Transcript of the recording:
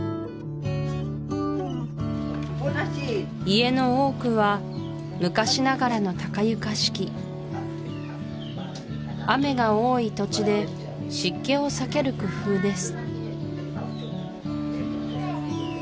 家の多くは昔ながらの高床式雨が多い土地で湿気を避ける工夫です